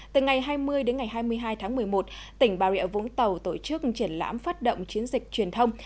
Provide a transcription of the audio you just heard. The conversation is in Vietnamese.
từ ngày hai mươi đến ngày hai mươi hai tháng một mươi một tỉnh bà rịa vũng tàu tổ chức triển lãm phát động chiến dịch truyền thông